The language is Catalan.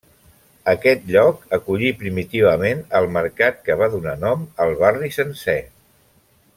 Aquest lloc acollí primitivament el mercat que va donar nom al barri sencer.